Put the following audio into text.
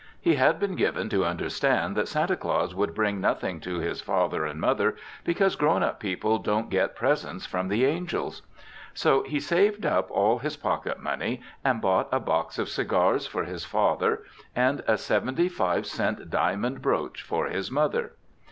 He had been given to understand that Santa Claus would bring nothing to his father and mother because grown up people don't get presents from the angels. So he saved up all his pocket money and bought a box of cigars for his father and a seventy five cent diamond brooch for his mother.